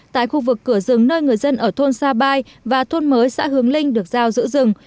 tại khu vực cửa rừng nơi người dân ở thôn sa bai và thôn mới xã hướng linh được giao giữ rừng